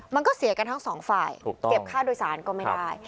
มันก็เสียกันทั้งสองฝ่ายเก็บค่าโดยสารก็ไม่ได้